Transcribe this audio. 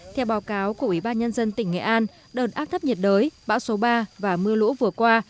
theo báo cáo của ủy ban nhân dân tỉnh nghệ an đợt áp thấp nhiệt đới bão số ba và mưa lũ vừa qua